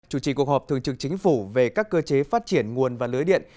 chủ trì cuộc họp thường trực chính phủ về các cơ chế phát triển nguồn và lưới điện